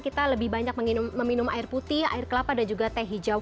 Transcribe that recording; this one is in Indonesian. kita lebih banyak meminum air putih air kelapa dan juga teh hijau